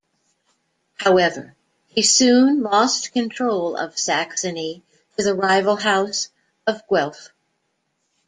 However, he soon lost control of Saxony to the rival House of Guelph.